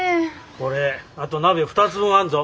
これあと鍋２つ分あんぞ。